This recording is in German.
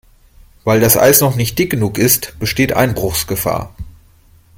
Weil das Eis noch nicht dick genug ist, besteht Einbruchsgefahr.